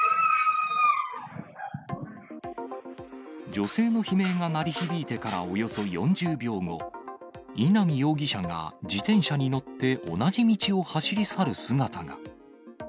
女性の悲鳴が鳴り響いてから、およそ４０秒後、稲見容疑者が自転車に乗って、同じ道を走り去る姿が。